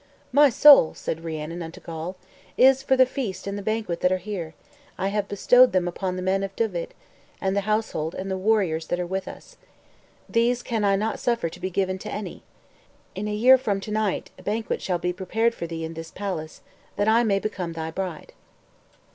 "My soul," said Rhiannon unto Gawl, "as for the feast and the banquet that are here, I have bestowed them upon the men of Dyved, and the household and the warriors that are with us. These can I not suffer to be given to any. In a year from to night, a banquet shall be prepared for thee in this palace, that I may become thy bride."